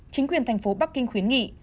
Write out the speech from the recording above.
chính quyền thành phố bắc kinh khuyến nghị